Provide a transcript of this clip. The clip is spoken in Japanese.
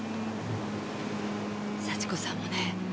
幸子さんもね